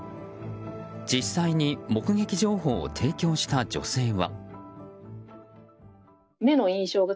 実際に目撃情報を提供した女性は。